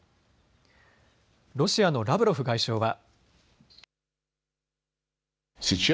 ロシアのラブロフ外相は。